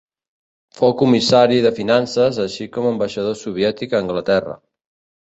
Fou Comissari de Finances, així com ambaixador soviètic a Anglaterra.